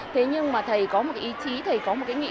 thế nhưng mà thầy có một cái ý chí thầy có một cái nghĩ